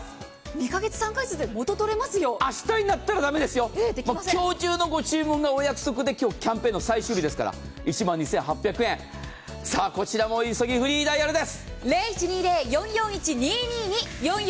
２か月、３か月で元取れますよ明日になったら駄目ですよ、今日中のご注文で。キャンペーン最終日ですから。１万２８００円、さあ、こちらも急ぎフリーダイヤルです。